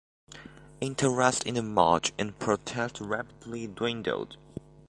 Interest in the march and protest rapidly dwindled.